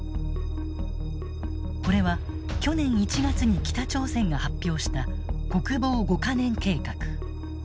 これは去年１月に北朝鮮が発表した「国防５か年計画」。